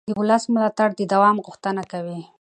د ولس ملاتړ د دوام غوښتنه کوي